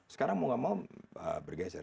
sekarang mau nggak mau bergejar